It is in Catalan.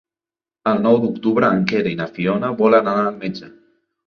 El nou d'octubre en Quer i na Fiona volen anar al metge.